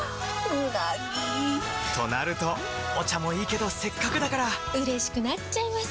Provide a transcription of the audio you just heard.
うなぎ！となるとお茶もいいけどせっかくだからうれしくなっちゃいますか！